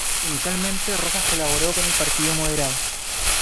Inicialmente, Rojas colaboró con el Partido Moderado.